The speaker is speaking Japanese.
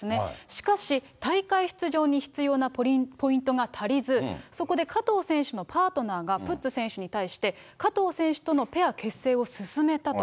しかし、大会出場に必要なポイントが足りず、そこで加藤選手のパートナーがプッツ選手に対して、加藤選手とのペア結成を勧めたと。